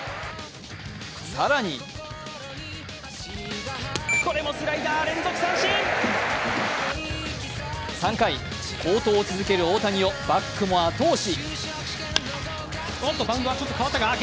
更に３回、好投を続ける大谷をバックも後押し。